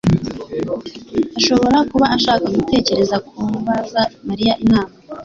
ashobora kuba ashaka gutekereza kubaza Mariya inama.